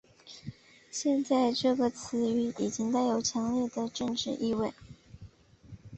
现在这个词语已经带有强烈的政治意味。